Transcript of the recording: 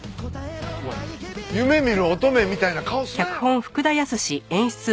おい夢見る乙女みたいな顔すなよ！